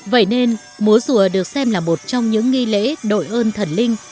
vậy nên múa rùa được xem là một trong những nghi lễ đội ơn thần linh